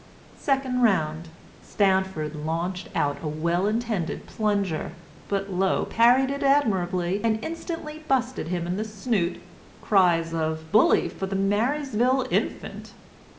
Second Round. Stanford launched out a well intended plunger, but Low parried it admirably and instantly busted him in the snoot. (Cries of "Bully for the Marysville Infant!")